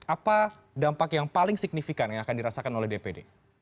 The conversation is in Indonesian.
apa dampak yang paling signifikan yang akan dirasakan oleh dpd